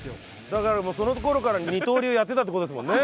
だからもうその頃から二刀流やってたって事ですもんね？